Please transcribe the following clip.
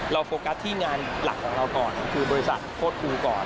โฟกัสที่งานหลักของเราก่อนคือบริษัทโคตรครูก่อน